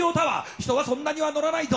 人はそんなには乗らないぞ。